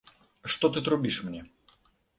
Што ты трубіш мне?